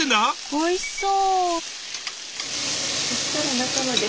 おいしそう！